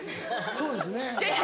そうですね。